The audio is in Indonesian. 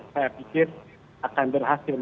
saya pikir akan berhasil